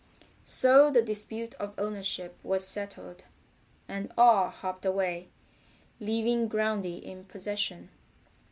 So the dispute of ownership was settled, and all hopped away, leaving Groundy in possession.